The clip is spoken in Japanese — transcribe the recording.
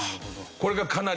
これがかなり。